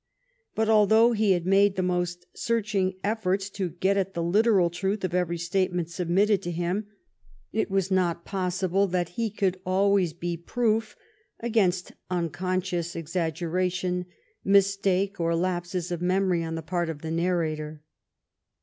But although he had made the most searching efforts to get at the literal truth of every statement submitted to him, it was not possible that he could always be proof against unconscious exaggeration, mistake, or lapse of memory on the part of the narrator.